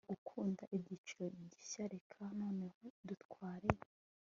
gukunda icyiciro gishya reka noneho dutware